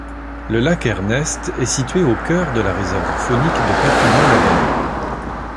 Le lac Ernest est situé au cœur de la Réserve faunique de Papineau-Labelle.